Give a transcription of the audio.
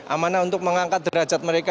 amanah untuk mengangkat derajat mereka